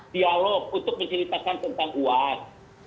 dialog untuk menceritakan tentang uas